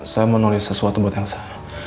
saya mau nulis sesuatu buat yansa